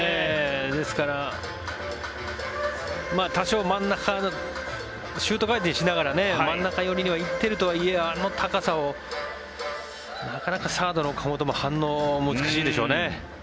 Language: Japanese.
ですから多少シュート回転しながら真ん中寄りに行っているとはいえあの高さをなかなかサードの岡本も反応は難しいでしょうね。